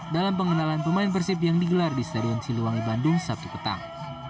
dalam pengenalan pemain persib yang digelar di stadion siliwangi bandung sabtu petang